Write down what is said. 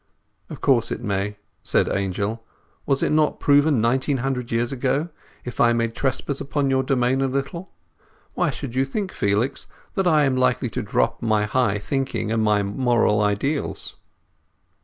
"Of course it may," said Angel. "Was it not proved nineteen hundred years ago—if I may trespass upon your domain a little? Why should you think, Felix, that I am likely to drop my high thinking and my moral ideals?"